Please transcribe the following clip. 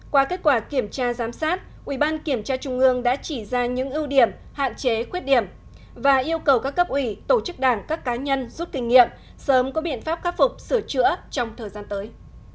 qua kết quả kiểm tra giám sát ủy ban kiểm tra trung ương đã chỉ ra những ưu điểm hạn chế khuyết điểm và yêu cầu các cấp ủy tổ chức đảng các cá nhân rút kinh nghiệm sớm có biện pháp khắc phục sửa chữa trong thời gian tới